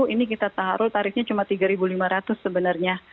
ini kita taruh tarifnya cuma rp tiga lima ratus sebenarnya